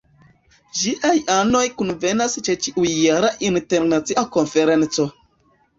Ĝiaj anoj kunvenas ĉe ĉiujara Internacia Konferenco.